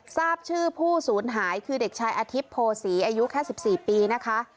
ทราบชื่อผู้สูญหายคือเด็กชายอธิบโพศีอายุแค่๑๔ปีนะคะ